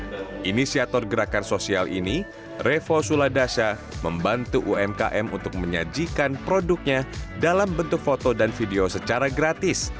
dengan inisiator gerakan sosial ini revo suladasa membantu umkm untuk menyajikan produknya dalam bentuk foto dan video secara gratis